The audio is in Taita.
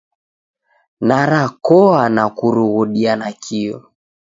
Narakoa na kurughudia nakio.